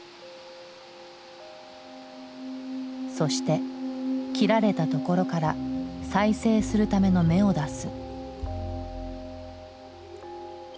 そして切られたところから再生するための芽を出す。